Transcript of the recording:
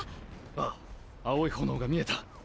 ああ蒼い炎が見えた。